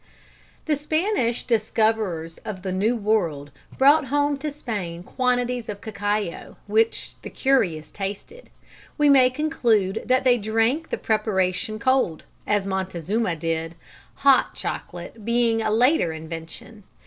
_ The Spanish discoverers of the New World brought home to Spain quantities of cacao, which the curious tasted. We may conclude that they drank the preparation cold, as Montezuma did, hot chocolate being a later invention.